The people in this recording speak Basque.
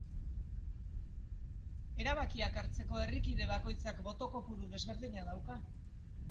Erabakiak hartzeko, herrikide bakoitzak boto kopuru desberdina dauka.